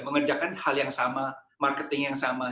mengerjakan hal yang sama marketing yang sama